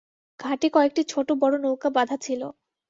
ঘাটে কয়েকটি ছোট বড় নৌকা বাধা ছিল।